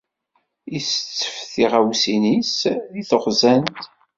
Isettef tiɣawsiwin-is deg texzant.